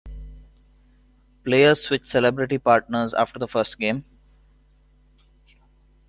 Players switched celebrity partners after the first game.